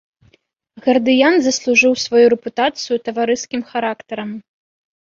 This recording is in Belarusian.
Гардыян заслужыў сваю рэпутацыю таварыскім характарам.